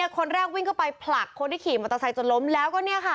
คนแรกวิ่งเข้าไปผลักคนที่ขี่มอเตอร์ไซค์จนล้มแล้วก็เนี่ยค่ะ